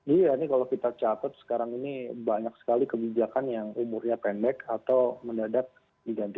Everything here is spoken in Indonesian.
iya ini kalau kita catat sekarang ini banyak sekali kebijakan yang umurnya pendek atau mendadak diganti